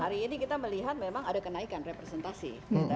hari ini kita melihat memang ada kenaikan representasi